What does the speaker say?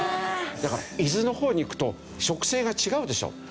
だから伊豆の方に行くと植生が違うでしょ。